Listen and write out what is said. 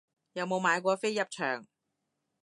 有冇買過飛入場